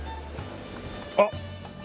あっ！